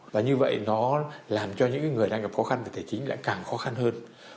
và như vậy nó làm cho những người đang gặp khó khăn về tài chính lại càng khó khăn hơn